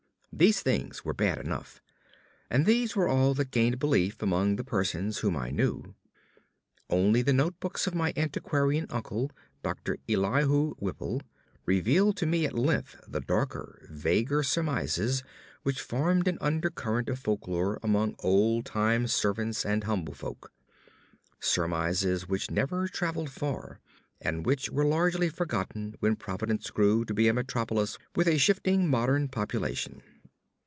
These things were bad enough, and these were all that gained belief among the persons whom I knew. Only the notebooks of my antiquarian uncle, Doctor Elihu Whipple, revealed to me at length the darker, vaguer surmises which formed an undercurrent of folklore among old time servants and humble folk; surmises which never travelled far, and which were largely forgotten when Providence grew to be a metropolis with a shifting modern population.